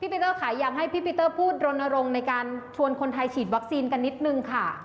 ปีเตอร์ขายอยากให้พี่ปีเตอร์พูดรณรงค์ในการชวนคนไทยฉีดวัคซีนกันนิดนึงค่ะ